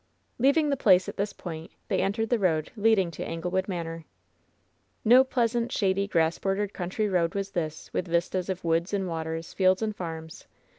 Leaving the place at this point, they entered the road leading to Anglewood Manor. 220 LOVE'S BITTEREST CUP No pleasant, shady, grass bordered country road was this, with vistas of woods and waters, fields and farms.